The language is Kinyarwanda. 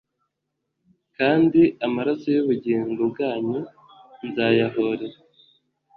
Kandi amaraso y’ubugingo bwanyu nzayahorera